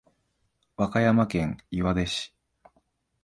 和歌山県岩出市